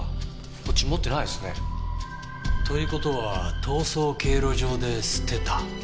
こっち持ってないですね。という事は逃走経路上で捨てた。